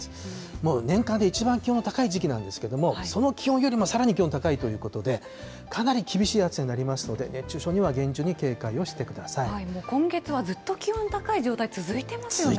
もう年間で一番気温の高い時期なんですけど、その気温よりもさらに気温高いということで、かなり厳しい暑さになりますので、熱中もう今月はずっと気温高い状続いていますね。